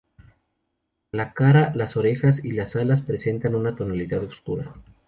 La cara, las orejas y las alas presentan una tonalidad oscura.